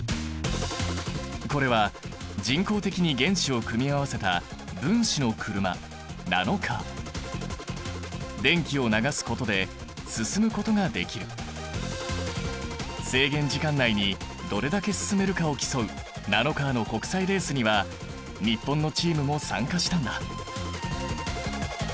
これは人工的に原子を組み合わせた分子の車制限時間内にどれだけ進めるかを競うナノカーの国際レースには日本のチームも参加したんだ。